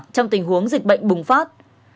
trong tình huống dịch bệnh bùng phát